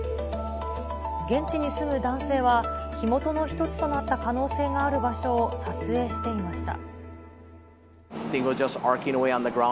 現地に住む男性は、火元の一つとなった可能性がある場所を撮影していました。